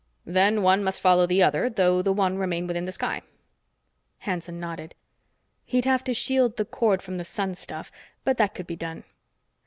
Then one must follow the other, though the one remain within the sky." Hanson nodded. He'd have to shield the cord from the sun stuff, but that could be done.